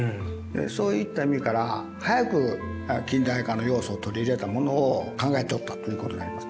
そういった意味から早く近代化の要素を取り入れたものを考えておったということになります。